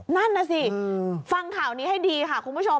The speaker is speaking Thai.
นั่นน่ะสิฟังข่าวนี้ให้ดีค่ะคุณผู้ชม